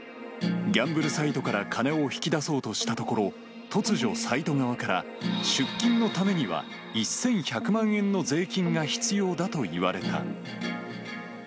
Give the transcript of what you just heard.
ギャンブルサイトから金を引き出そうとしたところ、突如、サイト側から出金のためには１１００万円の税金が必要だと言われた。